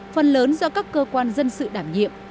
phần lớn do các cơ quan dân sự đảm nhiệm